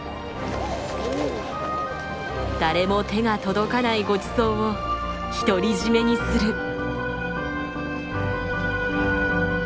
誰も手が届かないごちそうを独り占めにする。